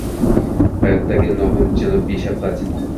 Xayotdagi nomim janob-beshavqat